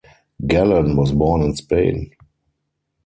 Galan was born in Spain.